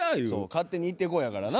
勝手に行ってこいやからな。